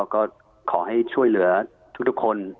ก็ขอให้ช่วยเหลือทุกคน